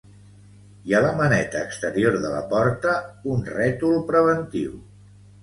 I a la maneta exterior de la porta, un rètol preventiu.